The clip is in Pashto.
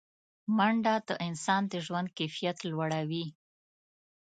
منډه د انسان د ژوند کیفیت لوړوي